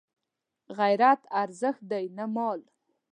غیرت ارزښت دی نه مال